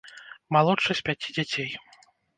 Малодшы з пяці дзяцей.